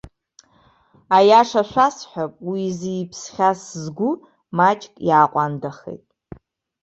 Аиаша шәасҳәап, уи изы иԥсхьаз сгәы маҷк иааҟәандахеит.